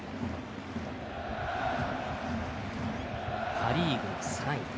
パ・リーグ３位。